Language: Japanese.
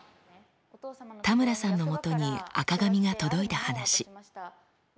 田村さんのもとに赤紙が届いた話。